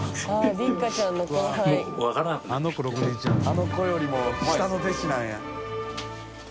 あの子よりも下の弟子なんや。